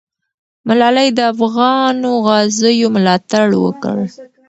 ملالۍ د افغانو غازیو ملاتړ وکړ.